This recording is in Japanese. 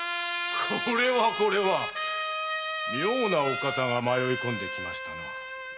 これはこれは妙なお方が迷い込んできましたな。